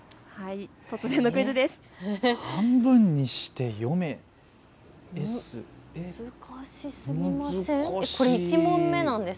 突然のクイズです。